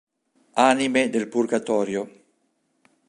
Anime del Purgatorio